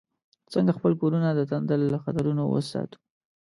څنګه خپل کورونه د تندر له خطرونو وساتو؟